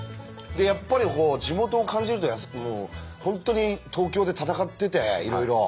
やっぱりこう地元を感じると本当に東京で戦ってていろいろ。